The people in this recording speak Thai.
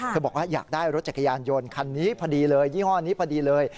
บอกว่าอยากได้รถจักรยานยนต์คันนี้พอดีเลยยี่ห้อนี้พอดีเลย